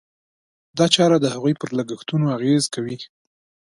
دا چاره د هغوی پر لګښتونو اغېز کوي.